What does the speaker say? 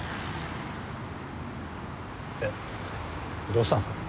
えっどうしたんすか？